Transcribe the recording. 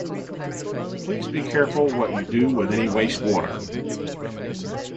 Please be careful what you do with any waste water.